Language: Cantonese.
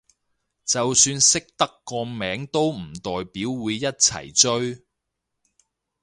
就算識得個名都唔代表會一齊追